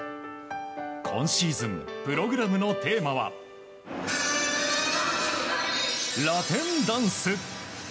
今シーズンプログラムのテーマはラテンダンス。